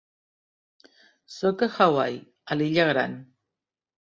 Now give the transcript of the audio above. Sóc a Hawaii, a l'illa Gran.